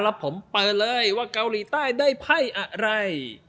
แล้วผมเปิดเลยว่าเกาหลีใต้ได้ไพ่อะไร